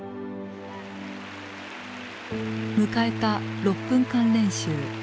迎えた６分間練習。